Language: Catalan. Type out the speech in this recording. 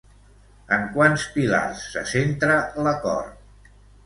En quants pilars se centra l'acord?